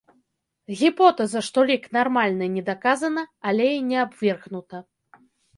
Гіпотэза, што лік нармальны, не даказана, але і не абвергнута.